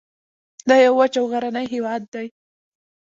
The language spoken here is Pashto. دا یو وچ او غرنی هیواد دی